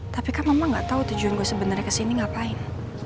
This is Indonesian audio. tapi kan mama gak tahu tujuan gue sebenarnya kesini ngapain